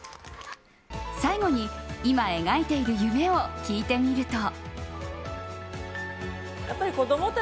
最後に今、描いている夢を聞いてみると。